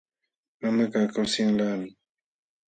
Mamakaq kawsayanlaqmi.